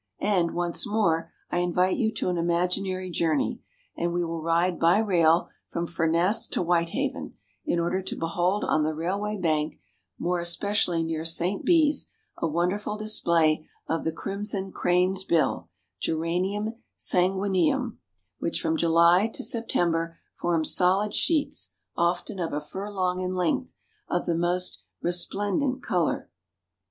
And, once more, I invite you to an imaginary journey, and we will ride by rail from Furness to Whitehaven, in order to behold on the railway bank, more especially near St. Bees, a wonderful display of the crimson Crane's Bill, Geranium sanguineum, which from July to September, forms solid sheets, often of a furlong in length, of the most resplendent color.